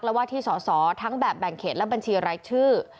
และว่าที่สอสอทั้งแบบแบ่งเขตและบัญชีรายชื่อ